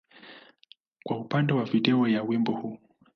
kwa upande wa video ya wimbo huu.